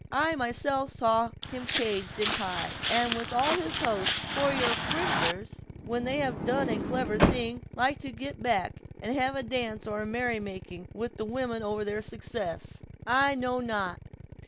"I myself saw him caged in Ty, with all his host; for your Frenchers, when they have done a clever thing, like to get back, and have a dance, or a merry making, with the women over their success." "I know not.